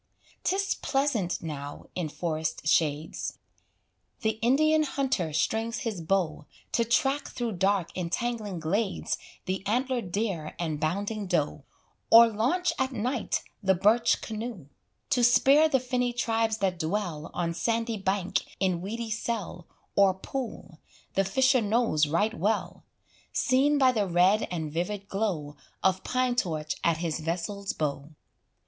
'Tis pleasant now in forest shades; The Indian hunter strings his bow, To track through dark entangling glades The antlered deer and bounding doe, Or launch at night the birch canoe, To spear the finny tribes that dwell On sandy bank, in weedy cell, Or pool, the fisher knows right well Seen by the red and vivid glow Of pine torch at his vessel's bow.